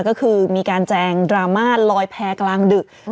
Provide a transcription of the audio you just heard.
ก็คือมีการแจงดราม่าลอยแพ้กลางดึก